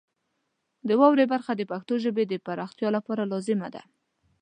د واورئ برخه د پښتو ژبې د پراختیا لپاره لازمه ده.